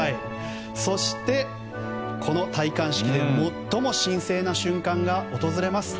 そして、この戴冠式で最も神聖な瞬間が訪れます。